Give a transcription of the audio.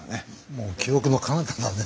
もう記憶のかなただね。